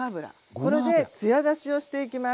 これで艶出しをしていきます。